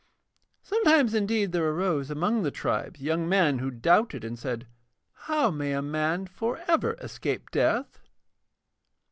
Sometimes indeed there arose among the tribes young men who doubted and said: 'How may a man for ever escape death?'